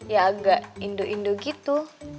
ya agak indo indo gitu